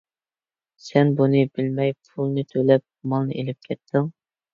سەن بۇنى بىلمەي پۇلىنى تۆلەپ، مالنى ئېلىپ كەتتىڭ.